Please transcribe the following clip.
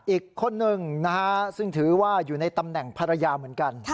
อีกคนนึงนะฮะซึ่งถือว่าอยู่ในตำแหน่งภรรยาเหมือนกัน